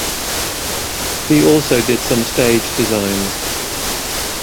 He also did some stage designs.